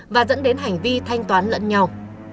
và dẫn đến hành vi thanh toán lẫn nhau